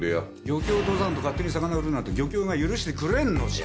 漁協を通さんと勝手に魚売るなんて漁協が許してくれんのじゃ。